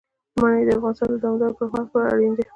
منی د افغانستان د دوامداره پرمختګ لپاره اړین دي.